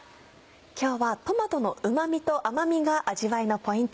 今日はトマトのうま味と甘味が味わいのポイント